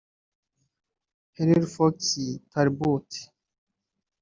Henry Fox Talbot